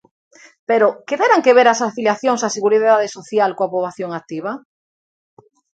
Pero ¿que terán que ver as afiliacións á Seguridade Social coa poboación activa?